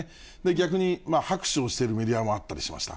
逆に拍手をしているメディアもあったりしました。